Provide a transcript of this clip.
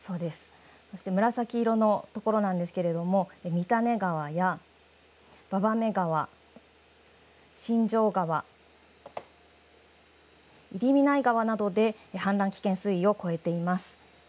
紫色の所なんですけれども三種川や馬場目川、新城川、入見内川などで氾濫危険水位を超えています。